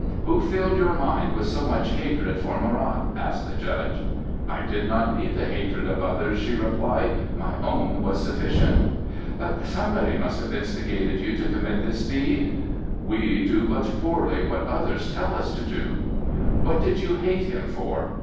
"Who filled your mind with so much hatred for Marat?" asked the judge. "I did not need the hatred of others," she replied; "my own was sufficient." "But somebody must have instigated you to commit this deed?" "We do but poorly what others tell us to do." "What did you hate him for?"